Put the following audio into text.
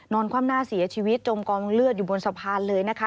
คว่ำหน้าเสียชีวิตจมกองเลือดอยู่บนสะพานเลยนะคะ